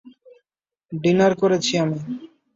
Dinner করেছি আমি।